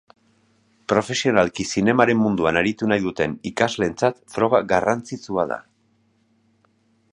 Profesionalki zinemaren munduan aritu nahi duten ikasleentzat froga garrantzitsua da.